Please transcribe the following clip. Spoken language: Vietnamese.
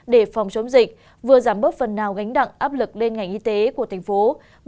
để phòng chống dịch vừa giảm bớt phần nào gánh đặng áp lực lên ngành y tế của thành phố